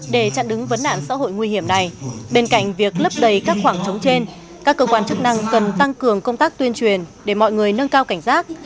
để chặn đứng vấn nạn xã hội nguy hiểm này bên cạnh việc lấp đầy các khoảng trống trên các cơ quan chức năng cần tăng cường công tác tuyên truyền để mọi người nâng cao cảnh giác